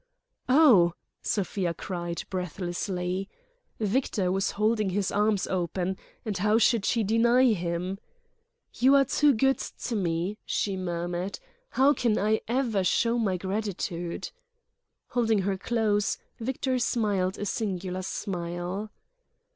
"Oh!" Sofia cried, breathlessly. Victor was holding his arms open; and how should she deny him? "You are too good to me," she murmured. "How can I ever show my gratitude?" Holding her close, Victor smiled a singular smile.